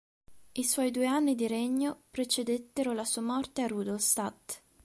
I suoi due anni di regno precedettero la sua morte a Rudolstadt.